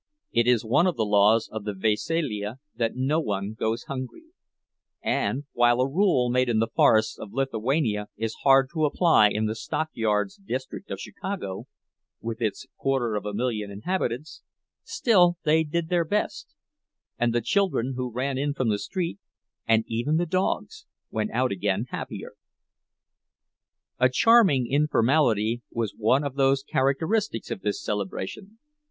It was one of the laws of the veselija that no one goes hungry; and, while a rule made in the forests of Lithuania is hard to apply in the stockyards district of Chicago, with its quarter of a million inhabitants, still they did their best, and the children who ran in from the street, and even the dogs, went out again happier. A charming informality was one of the characteristics of this celebration.